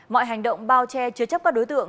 mọi hành động bao che chứa chấp các đối tượng